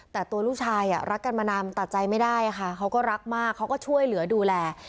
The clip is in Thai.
แต่ตัวลูกชายรักกันมานานตัดใจไม่ได้ค่ะเขาก็รักมากเขาก็ช่วยเหลือดูแล